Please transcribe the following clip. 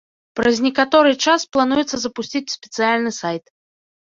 Праз некаторы час плануецца запусціць спецыяльны сайт.